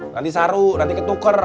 nanti saru nanti ketuker